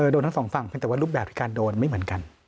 โดนทั้งสองฝั่งเพียงแต่ว่ารูปแบบคือการโดนไม่เหมือนกัน